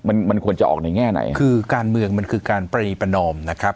มันมันควรจะออกในแง่ไหนคือการเมืองมันคือการปรีประนอมนะครับ